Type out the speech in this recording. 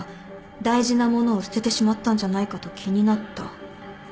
大事な物を捨ててしまったんじゃないかと気になった。